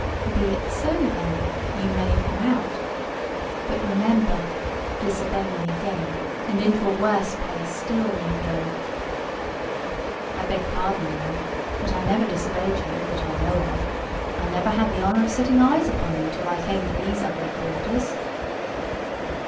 "Be it so then—you may come out. But remember, disobey me again, and into a worse place still you go." "I beg pardon ma'am, but I never disobeyed you that I know of. I never had the honour of setting eyes upon you till I came to these ugly quarters."